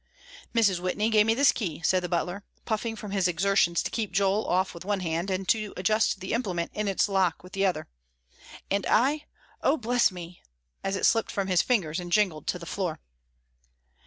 "Mrs. Whitney gave me this key," said the butler, puffing from his exertions to keep Joel off with one hand, and to adjust the implement in its lock with the other. "And I, O bless me," as it slipped from his fingers and jingled to the floor.